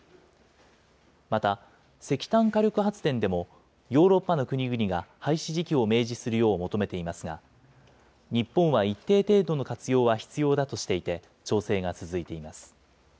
また、石炭火力発電でも、ヨーロッパの国々が廃止時期を明示するよう求めていますが、日本は一定程度の活用は必要だとしていて、調整が続いています。